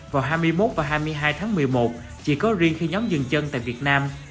vào hai mươi một và hai mươi hai tháng một mươi một chỉ có riêng khi nhóm dừng chân tại việt nam